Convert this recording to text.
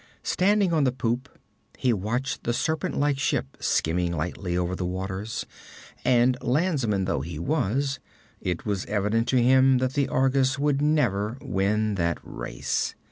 Standing on the poop, he watched the serpent like ship skimming lightly over the waters, and landsman though he was, it was evident to him that the Argus would never win that race.